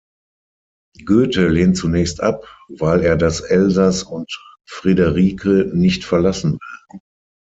Goethe lehnt zunächst ab, weil er das Elsass und Friederike nicht verlassen will.